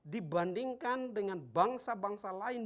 dibandingkan dengan bangsa bangsa lain